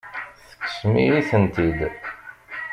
Tekksem-iyi-tent-id.